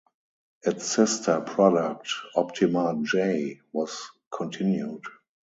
Its sister product, Optima-J was continued.